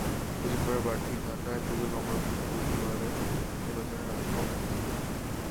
দুজন করে প্রার্থী থাকায় শুধু সংরক্ষিত দুটি ওয়ার্ডে নির্বাচনের অবস্থা ছিল।